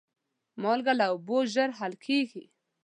مالګه له اوبو ژر حل کېږي.